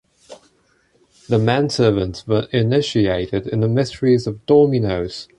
The men-servants were initiated in the mysteries of dominoes.